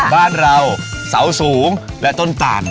บ้านเราเสาสูงและต้นต่าน